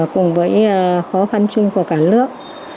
cùng với khó khăn chung của cả nước